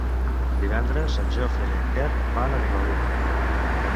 Divendres en Jofre i en Quer van a Vilaür.